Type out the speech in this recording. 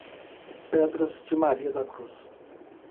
Pedras de Maria da Cruz